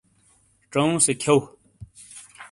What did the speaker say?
ڇاؤوں سے کھیؤ۔